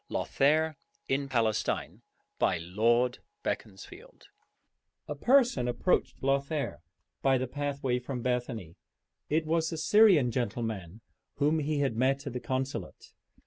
LOTHAIR IN PALESTINE From 'Lothair' A person approached Lothair by the pathway from Bethany. It was the Syrian gentleman whom he had met at the consulate.